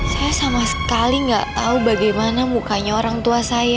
saya sama sekali nggak tahu bagaimana mukanya orang tua saya